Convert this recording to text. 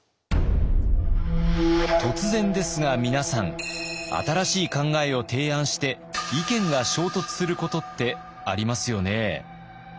突然ですが皆さん新しい考えを提案して意見が衝突することってありますよね。